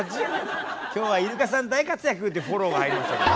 「今日はイルカさん大活躍！」ってフォローが入りましたけど。